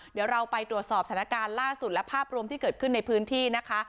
เดี๋ยวเราไปตรวจสอบสถานการณ์ล่าสุดและภาพรวมที่เกิดขึ้นในพื้นที่นะคะ